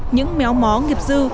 những méo mó nghiệp dư